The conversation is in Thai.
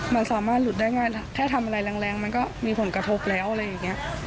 มันสามารถหลุดได้ง่ายถ้าทำอะไรแรงมันก็มีผลกระทบแล้ว